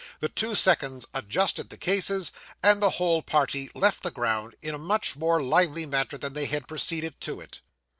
The two seconds adjusted the cases, and the whole party left the ground in a much more lively manner than they had proceeded to it.